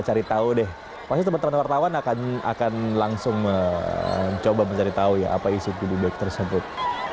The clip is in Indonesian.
cari tahu deh teman teman akan akan langsung mencoba mencari tahu ya apa isi bubek tersebut